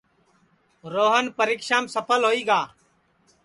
روہن پریکشام سپھل ہوئی گا